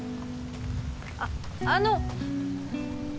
あっあの！